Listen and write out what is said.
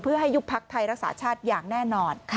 เพื่อให้ยุบพักไทยรักษาชาติอย่างแน่นอน